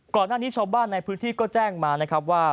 ก่อนหน้านี้ชาวบ้านในพื้นที่ก็แจ้งมานะครับว่า